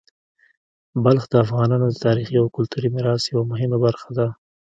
بلخ د افغانانو د تاریخي او کلتوري میراث یوه مهمه برخه ده.